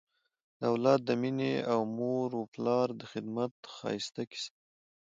د اولاد د مینې او مور و پلار د خدمت ښایسته کیسه